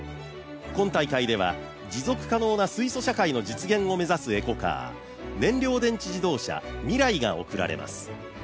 今大会では、持続可能な水素社会の実現を目指すエコカー燃料電池自動車、ＭＩＲＡＩが贈られます。